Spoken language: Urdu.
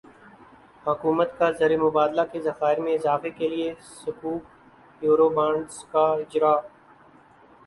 حکومت کازر مبادلہ کے ذخائر میں اضافے کےلیے سکوک یورو بانڈزکا اجراء